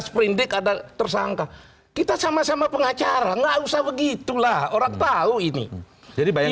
sprint ada tersangka kita sama sama pengacara nggak usah begitu lah orang tahu ini jadi banyak